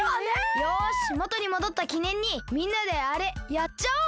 よしもとにもどったきねんにみんなであれやっちゃおう！